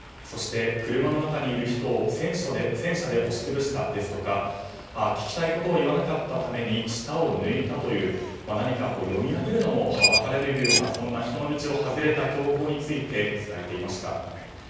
そして、車の中にいる人を戦車で押し潰したですとか聞きたいことを言わなかったために下を抜いたという何か読み上げるのもはばかれるようなそんな人の道を外れた凶行について伝えていました。